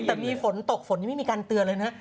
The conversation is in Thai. แต่มีฝนตกฝนยังไม่มีการเตือนเลยนะ